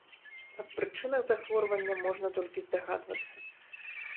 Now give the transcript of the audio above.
Аб прычынах захворвання можна толькі здагадвацца.